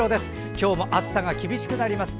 今日も暑さが厳しくなります。